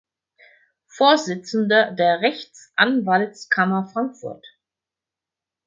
Vorsitzender der Rechtsanwaltskammer Frankfurt.